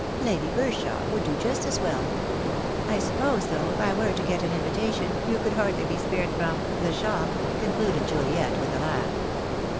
Lady Bur'shaw would do just as well. I suppose though if I were to get THE DAY WILL COME. 3 I I an invitation you could hardly be spared from — the shop," concluded Juliet, with a laugh.